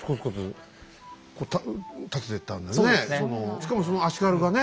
しかもその足軽がね。